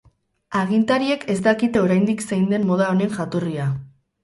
Agintariek ez dakite oraindik zein den moda honen jatorria.